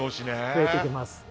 増えていきます。